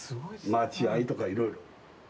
待合とかいろいろ。